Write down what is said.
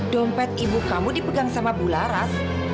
dompet ibu kamu dipegang sama bularas